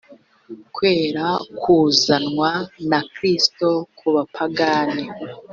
kwera kuzanwa na kristo ku bapagani.